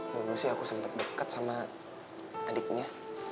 dulu sih aku sempet deket sama adiknya